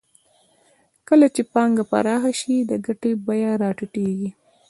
کله چې پانګه پراخه شي د ګټې بیه راټیټېږي